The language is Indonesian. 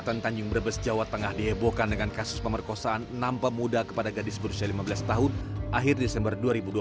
kabupaten tanjung brebes jawa tengah dihebohkan dengan kasus pemerkosaan enam pemuda kepada gadis berusia lima belas tahun akhir desember dua ribu dua puluh